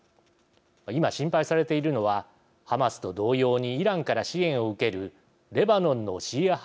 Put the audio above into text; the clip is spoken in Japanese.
今、心配されているのはハマスと同様にイランから支援を受けるレバノンのシーア派